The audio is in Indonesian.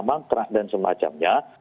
mantra dan semacamnya